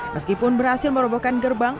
meskipun berhasil merobohkan gerbang